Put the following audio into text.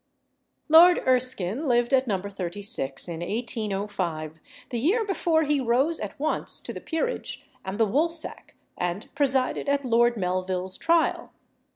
Lord Erskine lived at No. 36, in 1805, the year before he rose at once to the peerage and the woolsack, and presided at Lord Melville's trial.